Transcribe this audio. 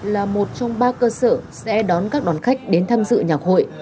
là một trong ba cơ sở sẽ đón các đoàn khách đến tham dự nhạc hội